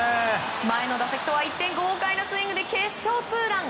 前の打席とは一転豪快な一撃で決勝ツーラン。